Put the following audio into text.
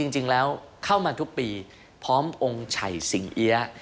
จริงแล้วเข้ามาทุกปีพร้อมองค์ชัยสิงเอี๊ยะ